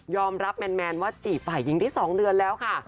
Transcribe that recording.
ยอมรับแมนว่าจีบฝ่ายิงที่๒เดือนแล้วค่ะ